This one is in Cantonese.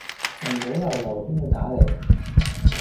晨早流流邊個打黎